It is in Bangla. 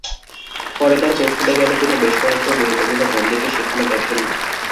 পরে তাঁর চোখ খুলে গেলে তিনি বেশ কয়েকজন নির্যাতিত বন্দীকে সেখানে দেখেন।